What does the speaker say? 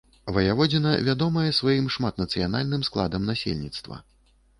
Ваяводзіна вядомая сваім шматнацыянальным складам насельніцтва.